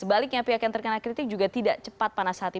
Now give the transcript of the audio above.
sebaliknya pihak yang terkena kritik juga tidak cepat panas hati